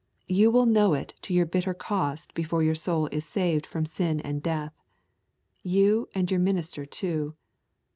You will know it to your bitter cost before your soul is saved from sin and death. You and your minister too.